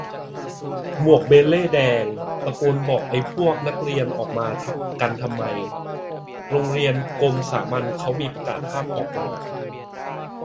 หมวกเบเล่ต์แดง ตะโกนบอกไอ้พวกนักเรียนออกมากันทำไม โรงเรียนกรมสามัญเค้ามีประกาศห้ามออกมา